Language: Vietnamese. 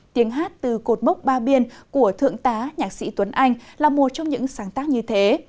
tiếng hát từ cột mốc ba biên của thượng tá nhạc sĩ tuấn anh là một trong những sáng tác như thế